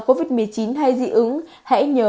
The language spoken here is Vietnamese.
covid một mươi chín hay dị ứng hãy nhớ